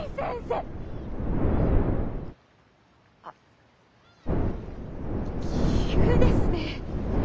あっ奇遇ですね！